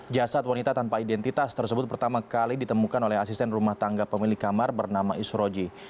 jasad wanita tanpa identitas tersebut pertama kali ditemukan oleh asisten rumah tangga pemilik kamar bernama isroji